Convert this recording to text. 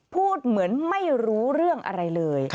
พูดเหมือนไม่รู้เรื่องอะไรเลย